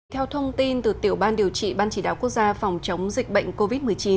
theo thông tin từ tiểu ban điều trị ban chỉ đạo quốc gia phòng chống dịch bệnh covid một mươi chín